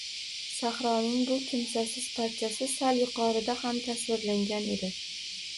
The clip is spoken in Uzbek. Sahroning bu kimsasiz parchasi sal yuqorida ham tasvirlangan edi